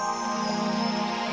saya akan aremasi